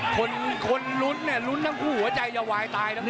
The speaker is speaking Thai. คนคนรุ้นเนี่ยรุ้นทั้งคู่หัวใจอย่าวายตายทั้งคู่